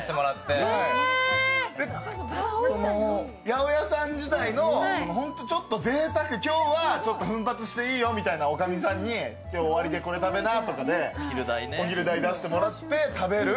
八百屋さん時代のちょっとぜいたく、今日はちょっと奮発していいよみたいな、女将さんに、今日、終わりでこれ食べなみたいなお昼代出してもらって食べる